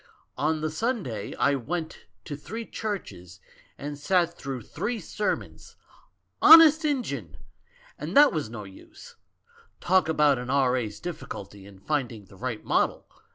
On the Sunday I went to three churches and sat through three sermons. Honest Injun! And that was no use. Talk about an R.A.'s difficulty in finding the right model?